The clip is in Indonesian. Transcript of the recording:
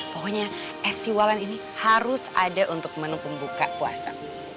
pokoknya es siwalan ini harus ada untuk menu pembuka puasa